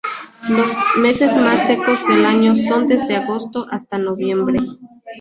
Los meses más secos del año son desde agosto hasta noviembre.